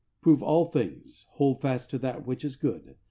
Prove all things, hold fast that which is good.